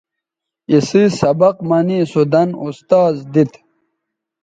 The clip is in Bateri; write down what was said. اسئ سبق منے سو دَن اُستاذ دیت